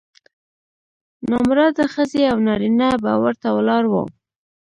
نامراده ښځې او نارینه به ورته ولاړ وو.